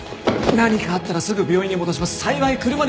何かあったらすぐ病院に戻します。